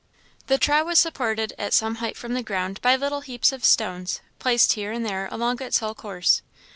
The trough was supported at some height from the ground by little heaps of stones, placed here and there along its whole course.